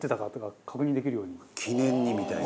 「記念に」みたいな。